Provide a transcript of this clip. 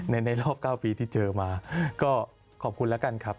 ในรอบ๙ปีที่เจอมาก็ขอบคุณแล้วกันครับ